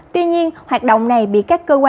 tuy nhiên hoạt động này bị các cơ quan